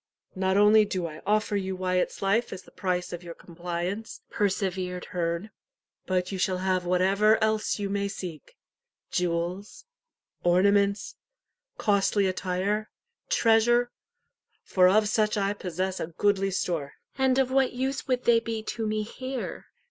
"Not only do I offer you Wyat's life as the price of your compliance," persevered Herne; "but you shall have what ever else you may seek jewels, ornaments, costly attire, treasure for of such I possess a goodly store." "And of what use would they be to me here?"